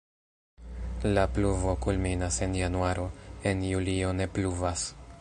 La pluvo kulminas en januaro, en julio ne pluvas.